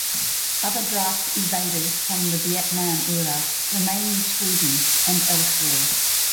Other draft evaders from the Vietnam era remain in Sweden and elsewhere.